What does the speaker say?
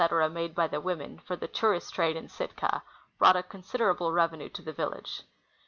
made by the women for the tourist trade in Sitka, brought a considerable revenue to the village.